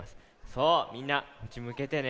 そうみんなこっちむけてね。